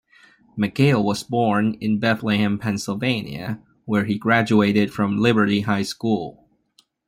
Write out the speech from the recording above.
McHale was born in Bethlehem, Pennsylvania, where he graduated from Liberty High School.